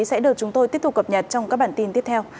sẽ được chúng tôi tiếp tục cập nhật trong các bản tin tiếp theo